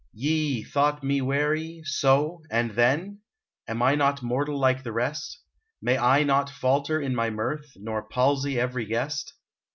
Ye thought me weary ? So : and then ? Am I not mortal like the rest ? May I not falter in my mirth, Nor palsy every guest